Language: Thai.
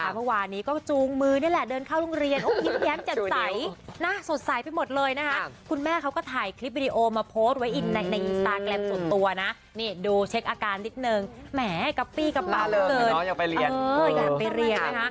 เมื่อวานี้ก็จูงมือเนี่ยแหละเดินเข้าโรงเรียน